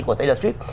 của taylor swift